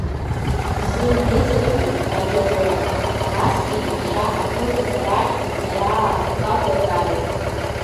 Бзымнеизаргьы, агьаурым, насгьы иахьа ақыҭақәа рахь ацара-аарақәа уадаҩуп.